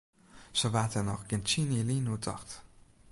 Sa waard dêr noch gjin tsien jier lyn oer tocht.